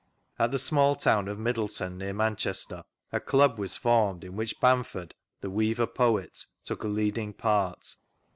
At the small town of Middleton, near Manchester, a Club was formed in which Bamford, the weaver poet, took a leading part.